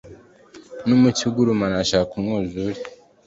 numucyo ugurumana, arashaka umwuzure